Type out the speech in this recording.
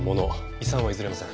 遺産は譲れません。